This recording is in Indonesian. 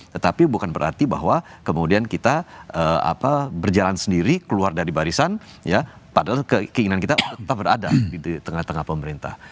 tetapi bukan berarti bahwa kemudian kita berjalan sendiri keluar dari barisan padahal keinginan kita tetap berada di tengah tengah pemerintah